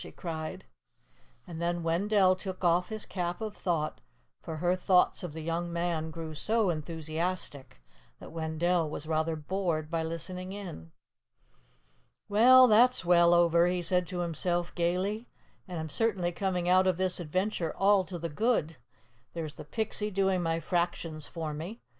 she cried; and then Wendell took off his Cap of Thought, for her thoughts of the young man grew so enthusiastic that Wendell was rather bored by listening in. "Well, that's well over," he said to himself gayly "And I'm certainly coming out of this adventure all to the good. There's the Pixie doing my fractions for me.